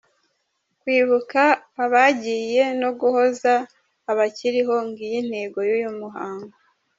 Kwibuka abagiye no guhoza abakiriho , ng’iyo intego y’uyu muhango.